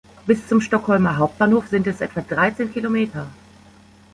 Bis zum Stockholmer Hauptbahnhof sind es etwa dreizehn Kilometer.